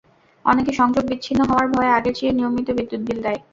অনেকে সংযোগ বিচ্ছিন্ন হওয়ার ভয়ে আগের চেয়ে নিয়মিত বিদ্যুৎ বিল দেয়।